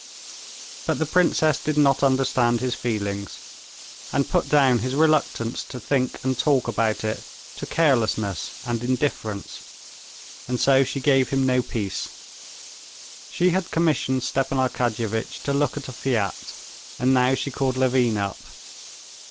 But the princess did not understand his feelings, and put down his reluctance to think and talk about it to carelessness and indifference, and so she gave him no peace. She had commissioned Stepan Arkadyevitch to look at a flat, and now she called Levin up.